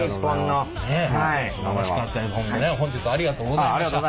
本日ありがとうございました。